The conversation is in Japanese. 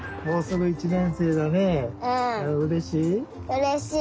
うれしい？